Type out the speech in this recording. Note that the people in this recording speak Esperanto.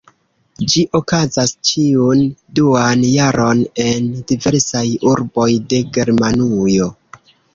Ĝi okazas ĉiun duan jaron en diversaj urboj de Germanujo.